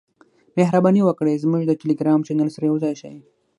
مهرباني وکړئ زموږ د ټیلیګرام چینل سره یوځای شئ .